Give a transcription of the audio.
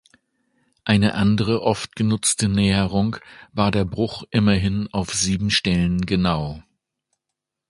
Eine andere oft genutzte Näherung war der Bruch immerhin auf sieben Stellen genau.